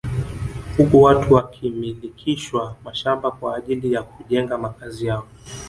Huku watu wakimilikishwa mashamba kwa ajili ya kujenga makazi yao